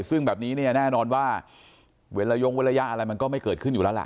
ซึ่งแบบนี้เนี่ยแน่นอนว่าเวลายงเว้นระยะอะไรมันก็ไม่เกิดขึ้นอยู่แล้วล่ะ